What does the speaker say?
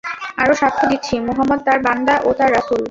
আরো সাক্ষ্য দিচ্ছি, মুহাম্মদ তার বান্দা ও তার রাসূল।